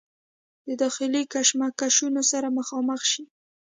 د داخلي کشمکشونو سره مخامخ شي